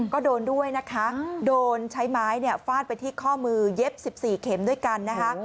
ก็โดนด้วยนะคะโดนใช้ไม้ฟาดไปที่ข้อมือเย็บ๑๔เข็มด้วยกันนะคะ